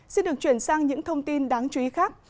xin được chuyển sang những thông tin đáng chú ý khác